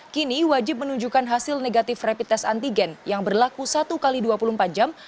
kini wajib menunjukkan hasil negatif rapid test antigen yang berlaku satu x dua puluh empat jam